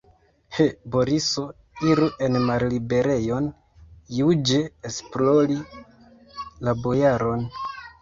He, Boriso, iru en malliberejon juĝe esplori la bojaron!